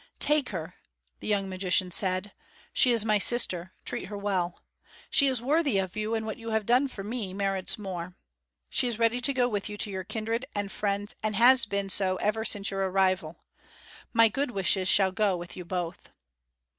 "Take her," the young magician said, "she is my sister; treat her well. She is worthy of you, and what you have done for me merits more. She is ready to go with you to your kindred and friends, and has been so ever since your arrival. My good wishes shall go with you both."